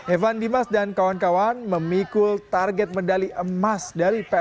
evan dimas dan kawan kawan memikul target medali emas dari pssi